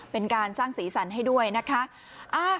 เป็นการสร้างสีสันให้ด้วยนะคะ